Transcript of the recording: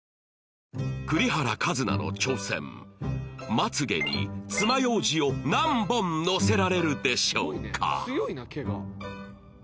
まつ毛につまようじを何本のせられるでしょうか？